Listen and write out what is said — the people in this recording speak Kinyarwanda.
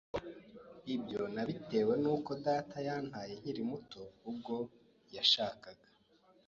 ibyo nabitewe n’uko data yantaye nkiri muto ubwo yashakaga